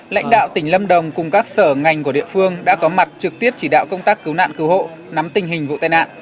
lãnh đạo tỉnh lâm đồng cùng các sở ngành của địa phương đã có mặt trực tiếp chỉ đạo công tác cứu nạn cứu hộ nắm tình hình vụ tai nạn